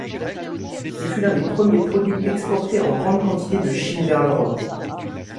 Ce fut l'un des premiers produits exportés en grandes quantités de Chine vers l'Europe.